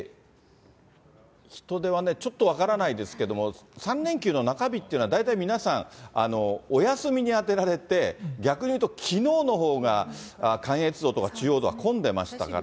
人出はね、ちょっと分からないですけれども、３連休の中日というのは、大体皆さん、お休みに充てられて、逆にいうと、きのうのほうが関越道とか中央道は混んでましたから。